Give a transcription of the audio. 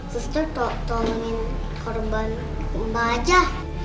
suster tolongin korban gempa aja